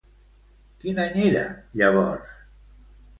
Quin any era llavors?